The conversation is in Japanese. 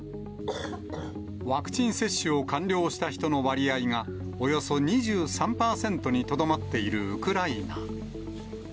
ワクチン接種を完了した人の割合がおよそ２３％にとどまっているウクライナ。